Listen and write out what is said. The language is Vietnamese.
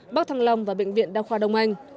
bắc thăng long và bệnh viện đa khoa đông anh